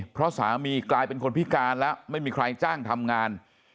เพราะสามีกลายเป็นคนพิการแล้วไม่มีใครจ้างทำงาน